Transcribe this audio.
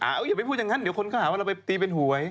เอาอย่าไปพูดอย่างนั้นเดี๋ยวคนเขาหาว่าเราไปตีเป็นหวย